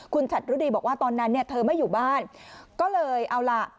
คุณฉัดรุดีบอกว่าตอนนั้นเนี่ยเธอไม่อยู่บ้านก็เลยเอาล่ะ